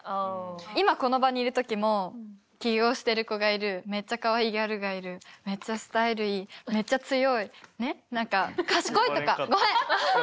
今この場にいる時も起業してる子がいるめっちゃかわいいギャルがいるめっちゃスタイルいいめっちゃ強いねっ何か賢いとかごめん！